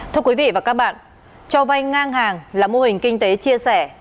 thưa quý vị và các bạn cho vay ngang hàng là mô hình kinh tế chia sẻ